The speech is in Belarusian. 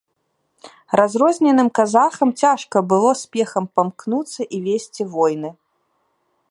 Разрозненым казахам цяжка было спехам памкнуцца і весці войны.